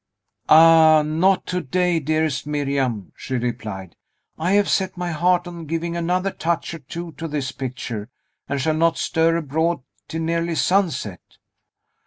"Ah, not to day, dearest Miriam," she replied; "I have set my heart on giving another touch or two to this picture, and shall not stir abroad till nearly sunset."